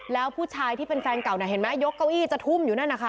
แล้วผู้ชายที่เป็นแฟนเก่าน่ะเห็นไหมยกเก้าอี้จะทุ่มอยู่นั่นนะคะ